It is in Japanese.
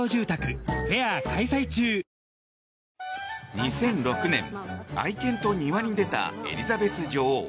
２００６年、愛犬と庭に出たエリザベス女王。